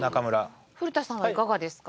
古田さんはいかがですか？